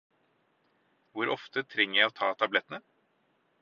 Hvor ofte trenger jeg å ta tablettene?